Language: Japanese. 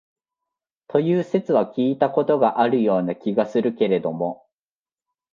という説は聞いた事があるような気がするけれども、